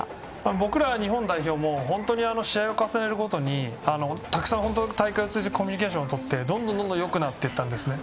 僕ら日本代表も本当に試合を重ねるごとにたくさん大会を通じてコミュニケーションをとってどんどんよくなっていったんですね。